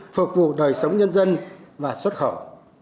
phục vụ đời sống nhân dân và xuất khẩu